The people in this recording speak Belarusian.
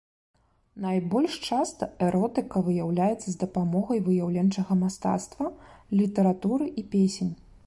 Найбольш часта эротыка выяўляецца з дапамогай выяўленчага мастацтва, літаратуры і песень.